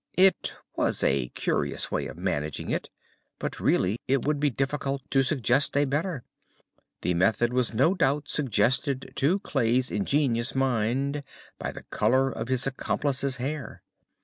It was a curious way of managing it, but, really, it would be difficult to suggest a better. The method was no doubt suggested to Clay's ingenious mind by the colour of his accomplice's hair.